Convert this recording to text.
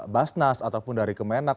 basnas ataupun dari kemenang